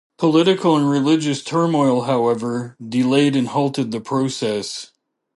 Political and religious turmoil, however, delayed and halted the process.